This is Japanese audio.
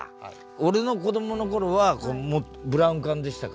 俺の子供の頃はブラウン管でしたから。